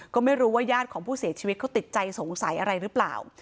ก็ไม่รู้ว่าญาติของผู้เสียชีวิตเขาติดใจสงสัยอะไรหรือเปล่า